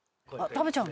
食べちゃう！」